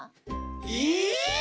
え！？